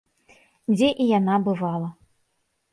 Дзе і яна бывала.